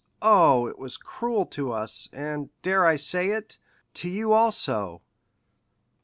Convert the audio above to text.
Oh, it was cruel to us, and—dare I say it?—to you also."